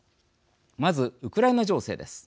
まずウクライナ情勢です。